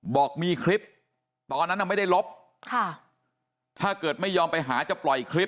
บอกมีคลิปตอนนั้นน่ะไม่ได้ลบค่ะถ้าเกิดไม่ยอมไปหาจะปล่อยคลิป